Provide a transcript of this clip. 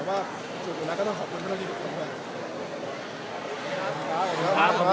แต่ว่าสุดอยู่แล้วก็ต้องขอบคุณท่านเราดีทุกคน